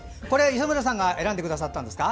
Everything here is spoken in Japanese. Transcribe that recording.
磯村さんが選んでくださったんですか？